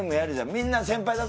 みんな先輩だっ